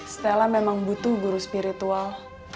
stella memang butuh guru spiritual